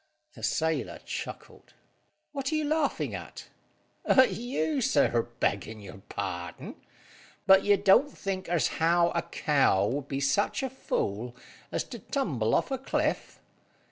The sailor chuckled. "What are you laughing at?" "At you, sir, beggin' your pardon. But you don't think as how a cow would be such a fool as to tumble off a cliff.